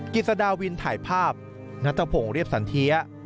กิจสดาวินถ่ายภาพนัทพงศ์เรียบสันเทีย